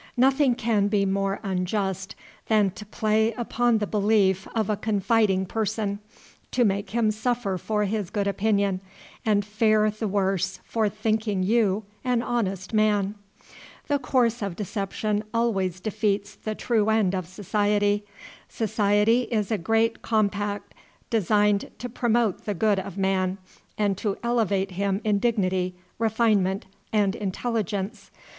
Nothing can be more unjust than to play upon the belief of a confiding person, to make him suffer for his good opinion, and fare the worse for thinking you an honest man. A course of deception always defeats the true end of society. Society is a great compact designed to promote the good of man, and to elevate him in dignity, refinement, and intelligence.